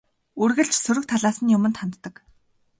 Үргэлж сөрөг талаас нь юманд ханддаг.